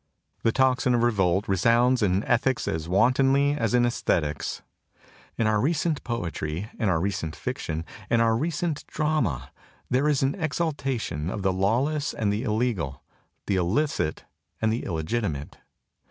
The tocsin of revolt resounds in ethics as wantonly as in esthetics. In our recent poetry, in our recent fiction, in our recent drama, there is an exaltation of the lawless and the illegal, the illicit and the illegitimate.